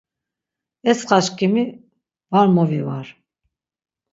Etsxaşǩimi var movivar.